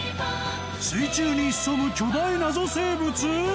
水中に潜む巨大謎生物？